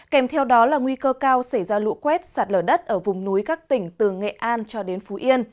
kèm theo đó là nguy cơ cao xảy ra lũ quét sạt lở đất ở vùng núi các tỉnh từ nghệ an cho đến phú yên